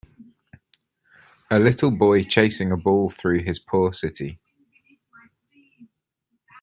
A little boy chasing a ball through his poor city.